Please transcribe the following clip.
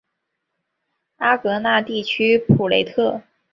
阿戈讷地区普雷特。